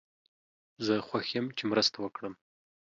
زه خوښ یم چې مرسته وکړم.